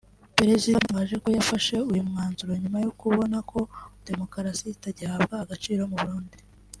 President Obama yatangaje ko yafashe uyu mwanzuro nyuma yo kubona ko demokarasi itagihabwa agaciro mu Burundi